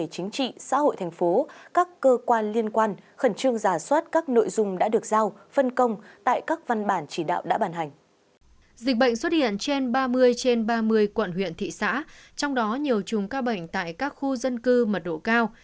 dịch bệnh xuất hiện trên ba mươi trên ba mươi quận huyện thị xã trong đó nhiều chùm ca bệnh tại các khu dân cư mật độ cao